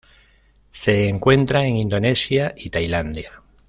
Se encuentra en Indonesia y Tailandia.